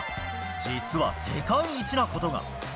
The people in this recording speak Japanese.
実は世界一なことが。